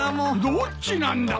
どっちなんだ！